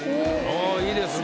いいですね。